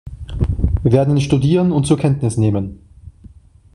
Wir werden ihn studieren und zur Kenntnis nehmen.